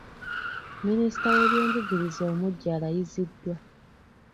Minisita w’ebyenjigiriza omuggya alayiziddwa.